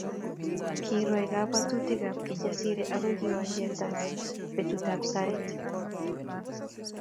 Kirwai kabwatutikab Kijasiri akoi kiwanjet betutap saet